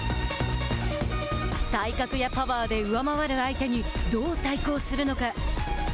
体格やパワーで上回る相手にどう対抗するのか。